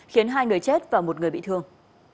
khiến hai người chết và một người bị thương